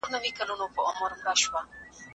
ولي د خبرو اترو لاره غوره ده؟